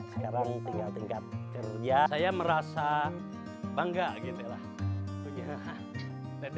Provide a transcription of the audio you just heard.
tingkat tingkat kerja saya merasa bangga gitu lah punya dedeh